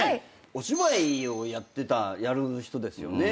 お芝居をやる人ですよね。